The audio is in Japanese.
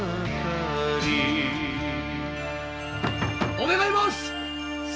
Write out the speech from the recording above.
お願い申す！